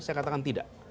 saya katakan tidak